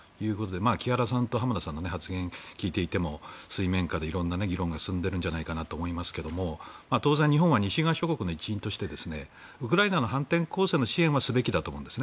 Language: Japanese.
木原さんと浜田さんの発言を聞いていても水面下で色んな議論が進んでいるんじゃないかと思いますが当然日本は西側諸国の一員としてウクライナの反転攻勢の支援はするべきだと思います。